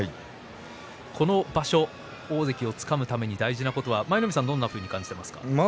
この場所、大関をつかむために大事なことはどんなふうに感じていますか？